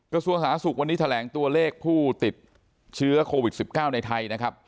กระทรวงสาธารณสุขวันนี้แถลงตัวเลขผู้ติดเชื้อโควิด๑๙ในไทยนะครับ